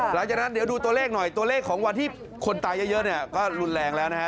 หลังจากนั้นเดี๋ยวดูตัวเลขหน่อยตัวเลขของวันที่คนตายเยอะเนี่ยก็รุนแรงแล้วนะฮะ